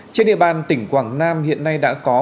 trên địa bàn tỉnh quảng nam hiện nay đã có